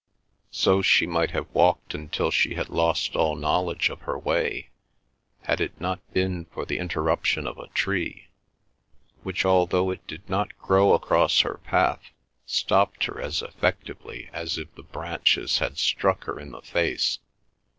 So she might have walked until she had lost all knowledge of her way, had it not been for the interruption of a tree, which, although it did not grow across her path, stopped her as effectively as if the branches had struck her in the face.